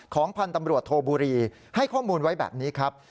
ของพันธุ์ตำรวจโทบุรีให้ข้อมูลไว้แบบนี้ครับ